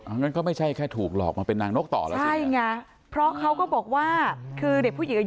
อันนั้นก็ไม่ใช่แค่ถูกหรอกมาเป็นนางนกต่อหรือ